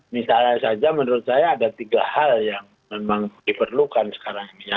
misalnya saja menurut saya ada tiga hal yang memang diperlukan sekarang ini ya